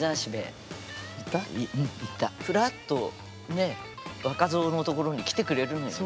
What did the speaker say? ふらっとね若造のところに来てくれるのよね。